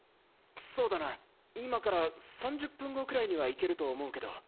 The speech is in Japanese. そうだな今から３０分後くらいには行けると思うけど。